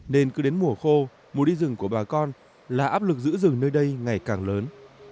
nên cứ đến mùa khô mùa đi rừng của bà con là áp lực giữ rừng nơi đây ngày càng lớn